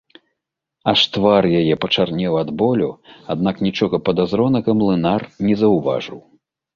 Аж твар яе пачарнеў ад болю, аднак нічога падазронага млынар не заўважыў.